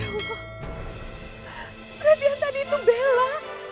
berarti yang tadi itu belo